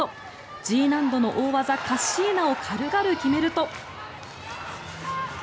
Ｇ難度の大技カッシーナを軽々決めると。